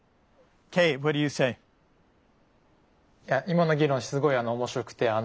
今の議論すごい面白くて。